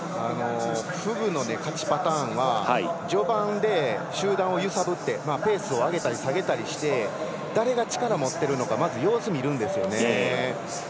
フグの勝ちパターンは序盤で揺さぶってペースを上げたり下げたりして誰が力を持っているのか様子を見るんですよね。